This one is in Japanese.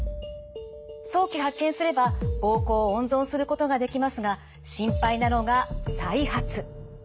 早期発見すれば膀胱を温存することができますが心配なのが再発。